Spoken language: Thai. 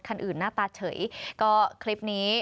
คันอื่นหน้าตาเฉยก็คลิปนี้